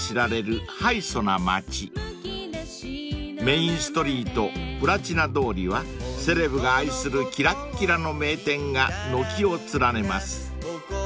［メインストリートプラチナ通りはセレブが愛するきらっきらの名店が軒を連ねます］